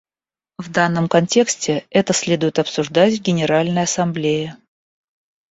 В данном контексте это следует обсуждать в Генеральной Ассамблее.